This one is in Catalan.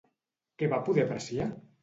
Què va poder apreciar?